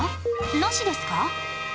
なしですか？